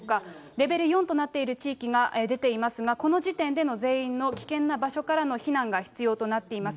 レベル４となっている地域が出ていますが、この時点での全員の危険な場所からの避難が必要となっています。